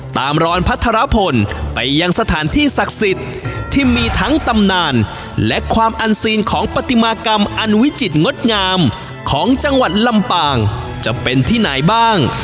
รอนพัทรพลไปยังสถานที่ศักดิ์สิทธิ์ที่มีทั้งตำนานและความอันซีนของปฏิมากรรมอันวิจิตรงดงามของจังหวัดลำปางจะเป็นที่ไหนบ้าง